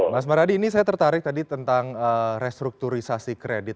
mas maradi ini saya tertarik tadi tentang restrukturisasi kredit